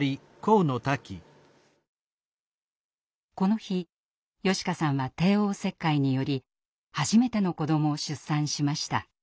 この日嘉花さんは帝王切開により初めての子どもを出産しました。